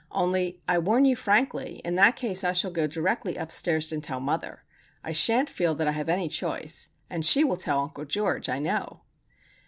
Only, I warn you frankly, in that case I shall go directly upstairs and tell mother,—I shan't feel that I have any choice,—and she will tell Uncle George, I know."